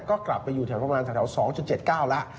ก็กลับไปอยู่แถวประมาณแถว๒๗๙แล้ว